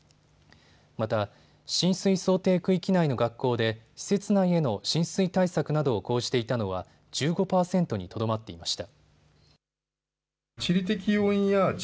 また、浸水想定区域内の学校で施設内への浸水対策などを講じていたのは１５％にとどまっていました。